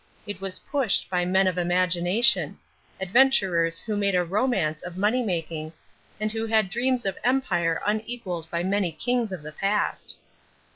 It was pushed by men of imagination adventurers who made a romance of money making and who had dreams of empire unequaled by many kings of the past.